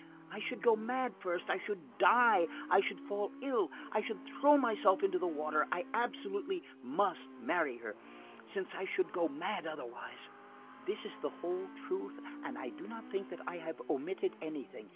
I should go mad first, I should die, I should fall ill, I should throw myself into the water. I absolutely must marry her, since I should go mad otherwise.' This is the whole truth, and I do not think that I have omitted anything.